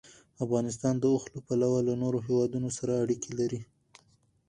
افغانستان د اوښ له پلوه له نورو هېوادونو سره اړیکې لري.